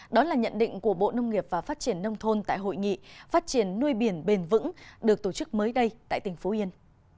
đó là nhận định của bộ nông nghiệp và phát triển nông thôn tại hội nghị phát triển nuôi biển bền vững được tổ chức mới đây tại tỉnh phú yên